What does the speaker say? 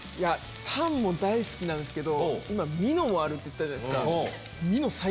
タンも大好きですけど今ミノもあるって言ったじゃないですか。